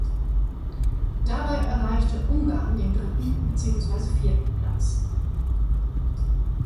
Dabei erreichte Ungarn den dritten beziehungsweise vierten Platz.